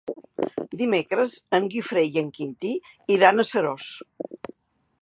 Dimecres en Guifré i en Quintí iran a Seròs.